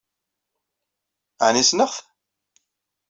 Ɛni ssneɣ-t?